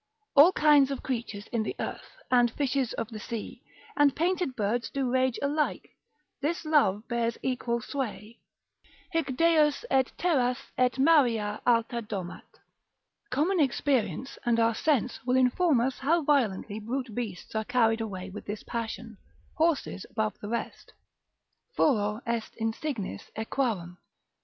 All kind of creatures in the earth, And fishes of the sea, And painted birds do rage alike; This love bears equal sway. Hic Deus et terras et maria alta domat. Common experience and our sense will inform us how violently brute beasts are carried away with this passion, horses above the rest,—furor est insignis equarum.